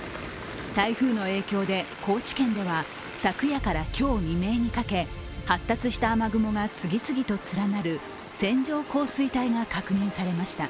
台風の影響で高知県では昨夜から今日未明にかけ発達した雨雲が次々と連なる線状降水帯が確認されました。